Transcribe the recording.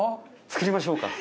作りましょうか？